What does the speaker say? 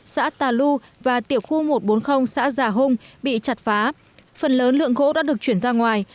xã tà lu và tiểu khu một trăm bốn mươi xã già hung bị chặt phá phần lớn lượng gỗ đã được chuyển ra ngoài